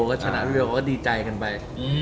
ก็ชนะเร็วก็ดีใจกันไป